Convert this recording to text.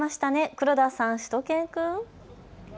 黒田さん、しゅと犬くん。